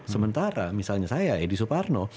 sementara misalnya saya edi suparno